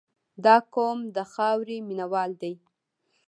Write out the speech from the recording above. • دا قوم د خاورې مینه وال دي.